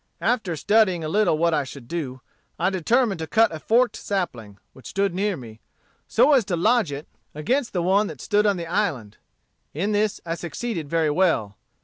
After studying a little what I should do, I determined to cut a forked sapling, which stood near me, so as to lodge it against the one that stood on the island. In this I succeeded very well.